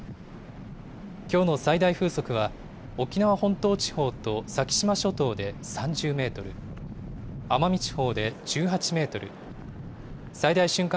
きょうの最大風速は沖縄本島地方と先島諸島で３０メートル、奄美地方で１８メートル、最大瞬間